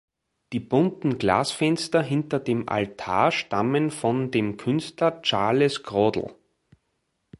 Die bunten Glasfenster hinter dem Altar stammen von dem Künstler Charles Crodel.